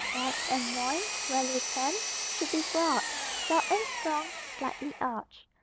Back and loin (value 10) should be broad, short and strong, slightly arched.